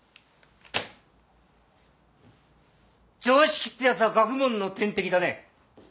常識ってやつは学問の天敵だね。